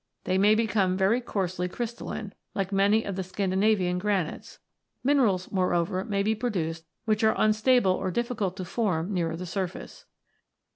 They may become very coarsely crystalline, like many of the Scandinavian granites ; minerals, moreover, may be produced which are unstable or difficult to form nearer the surface.